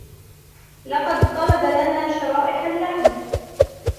لقد طلب لنا شرائح اللحم